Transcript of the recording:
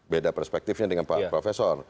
beda perspektifnya dengan pak profesor